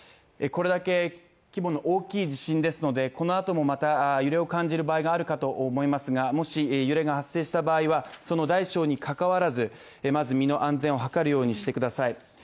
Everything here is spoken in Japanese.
これだけ規模の大きい地震ですので、このあとも、揺れを感じる場合があるかと思いますが、もし揺れが発生した場合はその大小にかかわらず身の安全を図るようにしてください。